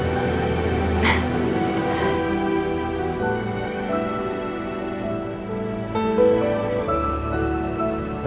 sampai jumpa lagi